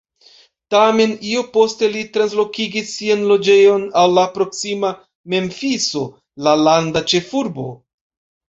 Tamen, io poste li translokigis sian loĝejon al la proksima Memfiso, la landa ĉefurbo.